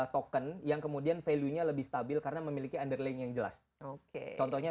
token yang kemudian value nya lebih stabil karena memiliki underling yang jelas oke contohnya